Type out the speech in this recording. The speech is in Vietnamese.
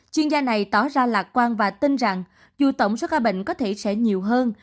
chuyên gia này tỏ ra lạc quan và tin rằng dù tổng số ca bệnh có thể sẽ nhiều hơn